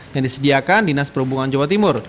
yang disediakan dinas perhubungan jawa timur